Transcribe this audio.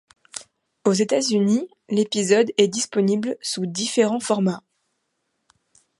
Aux États-Unis, l'épisode est disponible sous différents formats.